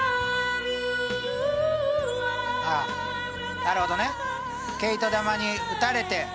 なるほどね毛糸玉にうたれて。